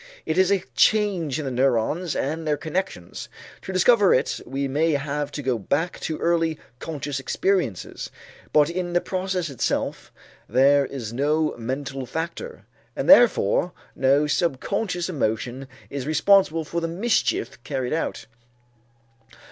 It is a change in the neurons and their connections. To discover it we may have to go back to early conscious experiences, but in the process itself there is no mental factor, and therefore no subconscious emotion is responsible for the mischief carried out.